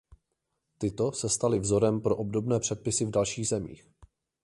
Tyto se staly vzorem pro obdobné předpisy v dalších zemích.